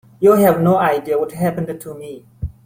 You have no idea what's happened to me.